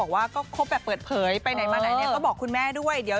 เธอมาต่อบอกแบบเปิดเผยไปไหนมาไหนก็บอกคุณแม่ด้วย